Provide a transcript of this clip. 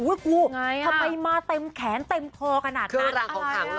อุ้ยครูทำไมมาเต็มแขนเต็มคอขนาดนั้นเครื่องรางของขลังเหรอ